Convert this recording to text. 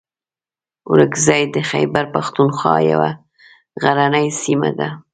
اورکزۍ د خیبر پښتونخوا یوه غرنۍ سیمه ده.